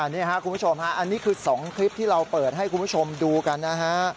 นี่ครับคุณผู้ชมฮะอันนี้คือ๒คลิปที่เราเปิดให้คุณผู้ชมดูกันนะฮะ